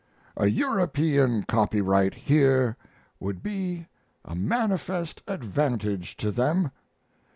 A European copyright here would be a manifest advantage to them.